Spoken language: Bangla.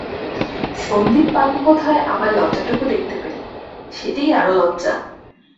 সন্দীপবাবু বোধ হয় আমার লজ্জাটুকু দেখতে পেলেন, সেইটেই আরো লজ্জা।